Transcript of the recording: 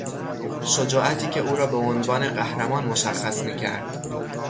شجاعتی که او را به عنوان قهرمان مشخص میکرد